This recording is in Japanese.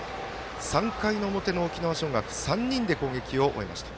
３回の表の沖縄尚学、３人で攻撃を終えました。